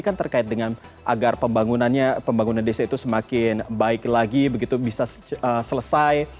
kan terkait dengan agar pembangunannya pembangunan desa itu semakin baik lagi begitu bisa selesai